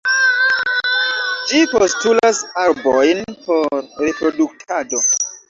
Ĝi postulas arbojn por reproduktado.